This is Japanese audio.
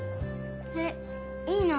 えっいいの？